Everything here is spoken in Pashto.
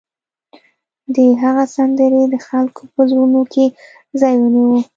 د هغه سندرې د خلکو په زړونو کې ځای ونیو